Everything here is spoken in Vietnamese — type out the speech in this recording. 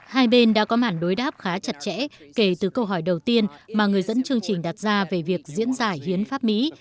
hai bên đã có màn đối đáp khá chặt chẽ kể từ câu hỏi đầu tiên mà người dẫn chương trình đặt ra về việc diễn giải hiến pháp mỹ